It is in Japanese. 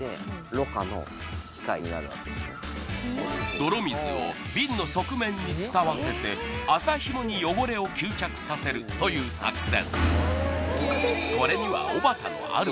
泥水をビンの側面に伝わせて麻ヒモに汚れを吸着させるという作戦